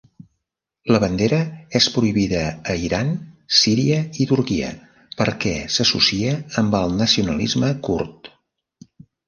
La bandera és prohibida a Iran, Síria i Turquia perquè s'associa amb el nacionalisme kurd.